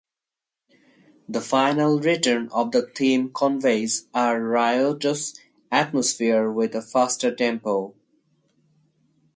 The final return of the theme conveys a riotous atmosphere with a faster tempo.